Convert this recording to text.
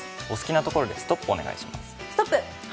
お好きなところでストップをお願いします。